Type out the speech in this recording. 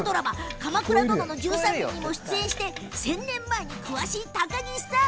「鎌倉殿の１３人」に出演して１０００年前に詳しい高岸さん